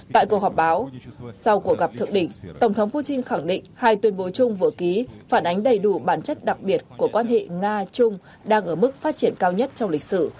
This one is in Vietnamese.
tại cuộc họp báo sau cuộc gặp thượng đỉnh tổng thống putin khẳng định hai tuyên bố chung vừa ký phản ánh đầy đủ bản chất đặc biệt của quan hệ nga trung đang ở mức phát triển cao nhất trong lịch sử